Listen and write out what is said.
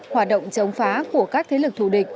hoạt động chống phá của các thế lực thù địch